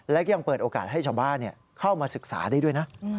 และยังเปิดโอกาสให้ชาวบ้านเข้ามาศึกษาได้ด้วยนะ